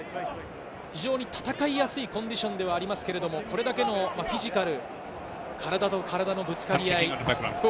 非常に戦いやすいコンディションではありますけれど、これだけのフィジカル、体と体のぶつかり合い。